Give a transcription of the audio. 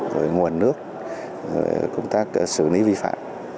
về nguồn nước về công tác xử lý vi phạm